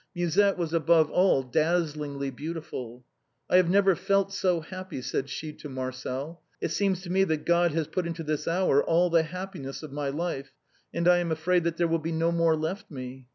Musette was, above all, dazzlingly beautiful. " I have never felt so happy," said she to Marcel. " It seems to me that God has put into this hour all the happi ness of my life, and I am afraid that there will be no more left me.